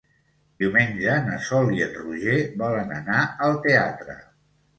Diumenge na Sol i en Roger volen anar al teatre.